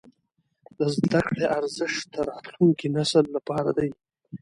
د زده کړې ارزښت د راتلونکي نسل لپاره دی.